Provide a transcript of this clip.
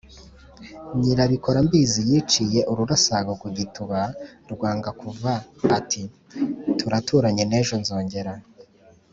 Nyirambigirambizi yiciye ururasago ku gituba rwanga kuva ati: turaturanye n’ejo nzongera.